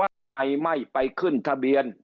ว่าใครไม่ไปขึ้นทะเบียน